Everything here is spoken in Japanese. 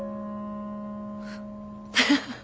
ハハハハ。